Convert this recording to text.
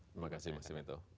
terima kasih mas simento